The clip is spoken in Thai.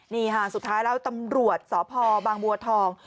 นี่ค่ะสุดท้ายแล้วตำรวจสพบางบัวทอง